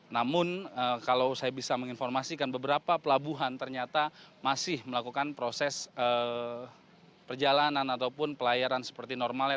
namun kalau saya bisa menginformasikan beberapa pelabuhan ternyata masih melakukan proses perjalanan ataupun pelayaran seperti normalnya